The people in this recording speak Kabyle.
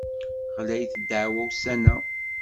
Ɣlayet ddeɛwa ussan-a.